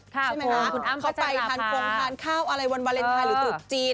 เขาไปทางคงทานข้าวอะไรวันวาเรนไทยหรือตรกจีน